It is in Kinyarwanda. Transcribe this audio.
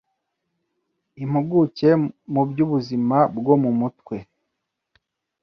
Impuguke mu by’ubuzima bwo mu mutwe